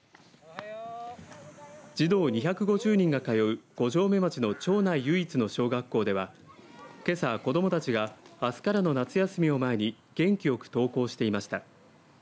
児童２５０人が通う五城目町の町内唯一の小学校ではけさ子どもたちがあすからの夏休みを前に元気よく登校していました。